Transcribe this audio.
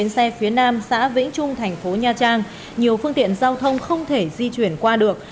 xe phía nam xã vĩnh trung thành phố nha trang nhiều phương tiện giao thông không thể di chuyển qua được